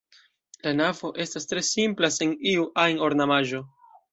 La navo estas tre simpla sen iu ajn ornamaĵoj.